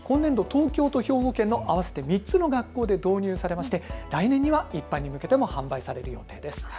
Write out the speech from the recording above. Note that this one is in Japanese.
東京と兵庫県の合わせて３つの学校で導入されて来年には一般に向けても販売される予定です。